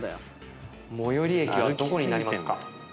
最寄駅はどこになりますか？